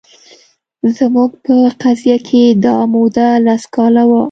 زموږ په قضیه کې دا موده لس کاله وه